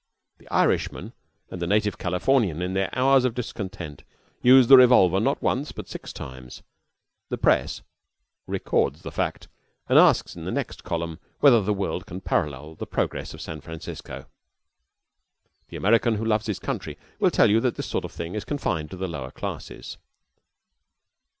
The Irishman and the native Californian in their hours of discontent use the revolver, not once, but six times. The press records the fact, and asks in the next column whether the world can parallel the progress of San Francisco. The American who loves his country will tell you that this sort of thing is confined to the lower classes.